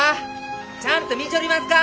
ちゃんと見ちょりますか！？